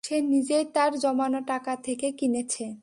সে নিজেই তার জমানো টাকা থেকে কিনেছে।